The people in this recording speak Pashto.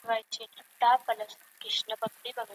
موږ باید په نړۍ کي د یو بل منل زده کړو.